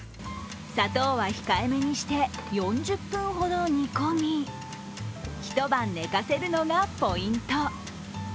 砂糖は控えめにして４０分ほど煮込み一晩寝かせるのがポイント。